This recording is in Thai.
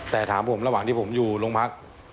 แต่ถามผมระหว่างที่ผมอยู่โรงพัก